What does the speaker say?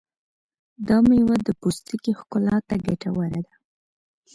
دا مېوه د پوستکي ښکلا ته ګټوره ده.